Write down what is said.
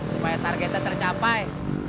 supaya targetnya tercapai